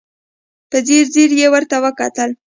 په ځير ځير يې ورته وکتل.